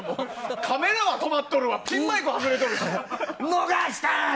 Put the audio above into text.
カメラは止まっとるわピンマイク外れとるわで。